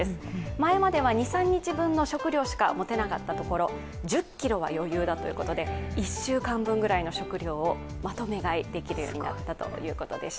前までは２３日分の食料しか持てなかったところ、１０ｋｇは余裕だということで１週間ぐらいの食料をまとめ買いできるようになったということです